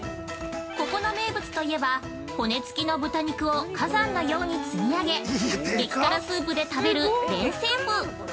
ここの名物といえば骨つきの豚肉を火山のように積み上げ激辛スープで食べるレン・セープ。